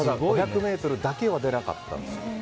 ただ、５００ｍだけは出なかったんです。